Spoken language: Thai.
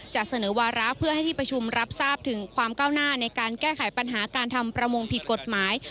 จะเสนอวาระเพื่อให้ที่ประชุมรับทราบถึงความก้าวหน้าในการแก้ไขปัญหาการทำประมงผิดกฎหมาย